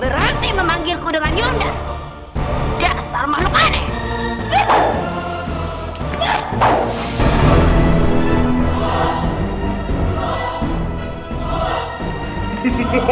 berarti memanggilku dengan yunda dasar makhluk aneh